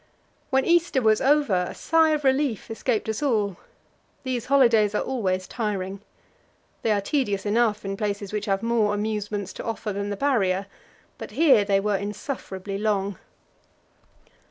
When Easter was over, a sigh of relief escaped us all; these holidays are always tiring. They are tedious enough in places which have more amusements to offer than the Barrier, but here they were insufferably long.